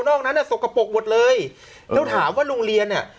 นั้นอ่ะสกปรกหมดเลยแล้วถามว่าโรงเรียนเนี่ย